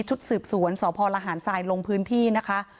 ชุดสืบสวนสพลหารทรายลงพื้นที่นะคะ